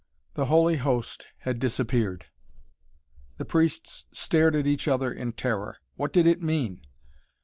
The Holy Host had disappeared. The priests stared at each other in terror. What did it mean?